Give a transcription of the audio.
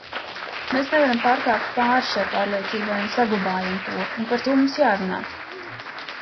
Mēs nevaram pārkāpt pāri šai pārliecībai un saglabājam to, un par to mums jārunā.